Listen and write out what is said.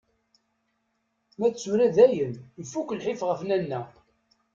Ma d tura dayen, ifuk lḥif ɣef Nanna.